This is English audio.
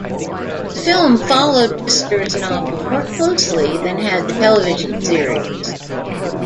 The film followed Wister's novel more closely than had the television series.